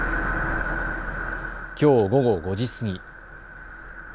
きょう午後５時過ぎ。